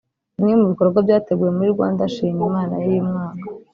Bimwe mu bikorwa byateguwe muri Rwanda Shima Imana y’uyu mwaka